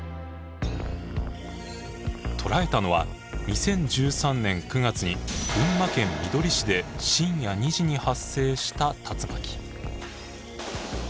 捉えたのは２０１３年９月に群馬県みどり市で深夜２時に発生した竜巻。